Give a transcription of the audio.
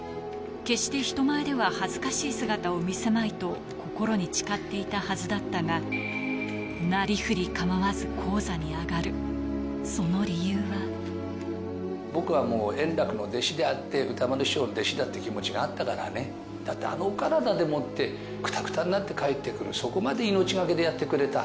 決して人前では恥ずかしい姿を見せまいと、心に誓っていたはずだったが、なりふり構わず高座に上がる、僕はもう、圓楽の弟子であって、歌丸師匠の弟子だっていう気持ちがあったからね、だって、あのお体でもって、くたくたになって帰ってくる、そこまで命懸けでやってくれた。